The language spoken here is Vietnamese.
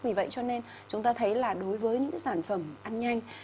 vì vậy cho nên chúng ta thấy là đối với những sản phẩm ăn nhanh